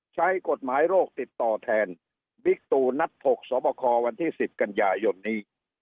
ใช้กฎหมายโรคติดต่อแทนบิ๊กตูนัด๖สอบคอวันที่๑๐กันยายนนี้